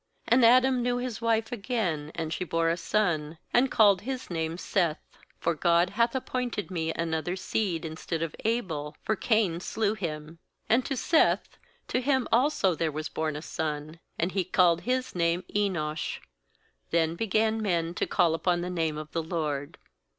25And Adam knew his wife again; and she bore a son, and called his name cSeth* 'for God dhath ap pointed me another seed instead of Abel; for Cam slew him.' 26And to Seth, to him also there was born a son; and he called his name Enosh; then began men to call upon the name of the LORD.